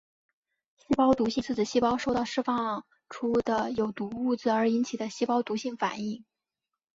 细胞毒性是指细胞受到释放出的有毒物质而引起的细胞毒性反应。